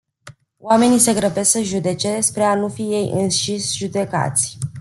Oamenii se grăbesc să judece spre a nu fi ei înșiși judecați.